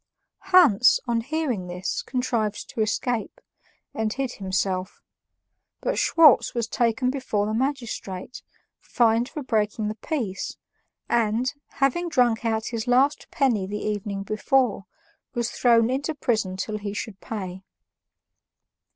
Hans, on hearing this, contrived to escape, and hid himself; but Schwartz was taken before the magistrate, fined for breaking the peace, and, having drunk out his last penny the evening before, was thrown into prison till he should pay.